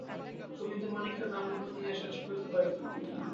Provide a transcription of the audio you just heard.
গোবিন্দমাণিক্যের নামগন্ধ তিনি আর সহ্য করিতে পারিতেন না।